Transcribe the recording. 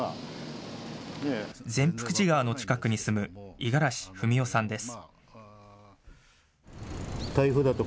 善福寺川の近くに住む五十嵐文郎さんです。